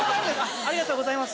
ありがとうございます。